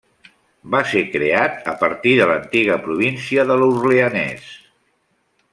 Va ser creat a partir de l'antiga província de l'Orleanès.